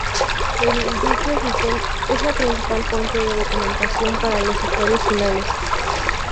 El wiki oficial es la principal fuente de documentación para los usuarios finales.